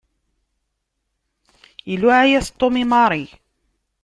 Iluɛa-yas Tom i Mary.